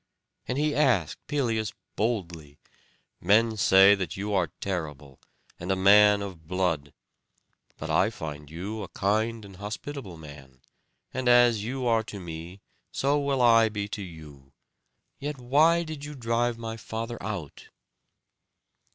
And he asked Pelias boldly, "Men say that you are terrible, and a man of blood; but I find you a kind and hospitable man; and as you are to me, so will I be to you. Yet why did you drive my father out?"